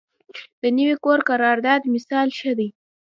د نوي کور قرارداد مثال ښه دی.